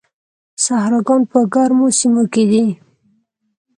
صحراګان په ګرمو سیمو کې دي.